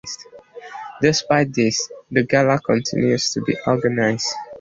Despite this, the Gala continues to be organised.